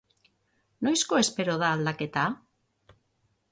Noizko espero da aldaketa?